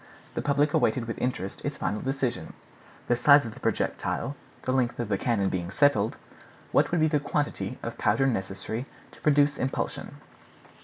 The public awaited with interest its final decision. The size of the projectile, the length of the cannon being settled, what would be the quantity of powder necessary to produce impulsion?